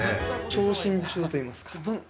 傷心中といいますか。